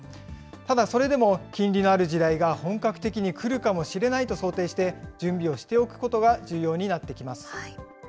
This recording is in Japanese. ただそれでも金利のある時代が本格的に来るかもしれないと想定して、準備をしておくことは重要になってきます。